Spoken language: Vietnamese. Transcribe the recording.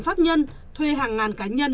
pháp nhân thuê hàng ngàn cá nhân